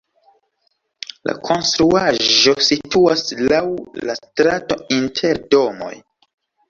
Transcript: La konstruaĵo situas laŭ la strato inter domoj.